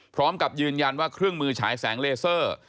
พร้อมกับยืนยันว่าเครื่องมือฉายแสงเลเซอร์